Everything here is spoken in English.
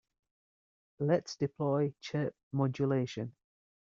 Let's deploy chirp modulation.